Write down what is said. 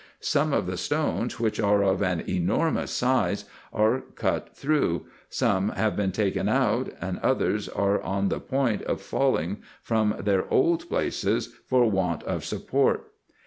Some of the stones, which are of an enormous size, are cut through, 264 RESEARCHES AND OPERATIONS some have been taken out, and others are on the point of falling from their old places for want of support.